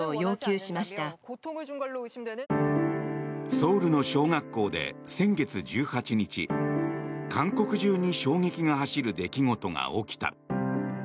ソウルの小学校で先月１８日韓国中に衝撃が走る出来事が起きた。